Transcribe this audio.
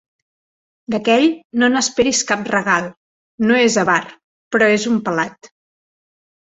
D'aquell no n'esperis cap regal: no és avar, però és un pelat.